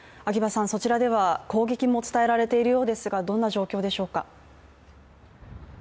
そちらでは攻撃も伝えられているようですが、どんな状況でしょうか。